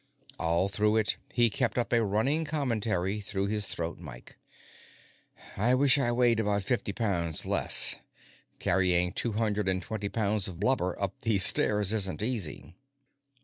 All through it, he kept up a running comment through his throat mike. "I wish I weighed about fifty pounds less; carrying two hundred and twenty pounds of blubber up these stairs isn't easy."